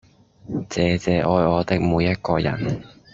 謝謝愛我的每一個人